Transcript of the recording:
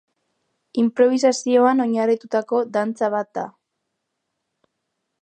Inprobisazioan oinarritutako dantza bat da.